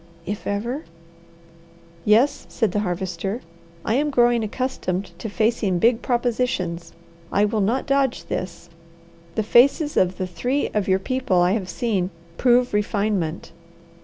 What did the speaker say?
"'If ever?'" "Yes," said the Harvester. "I am growing accustomed to facing big propositions I will not dodge this. The faces of the three of your people I have seen prove refinement.